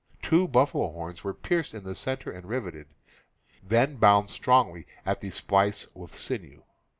Two buffalo horns were pieced in the center and riveted; then bound strongly at the splice with sinew.